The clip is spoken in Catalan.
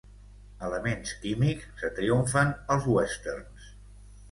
Elements químics que triomfen als westerns.